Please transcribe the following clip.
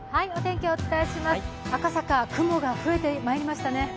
赤坂、雲が増えてまいりましたね